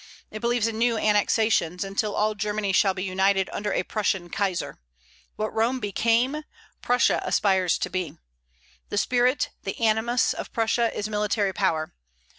It believes in new annexations, until all Germany shall be united under a Prussian Kaiser. What Rome became, Prussia aspires to be. The spirit, the animus, of Prussia is military power.